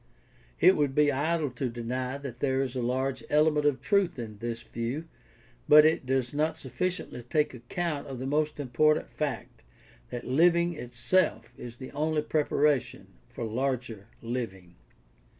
It would be idle to deny that there is a large element of truth in this view, but it does not sufficiently take account of the most important fact that living itself is the only preparation for larger living.